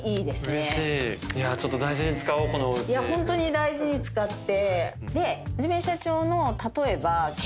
ホントに大事に使って。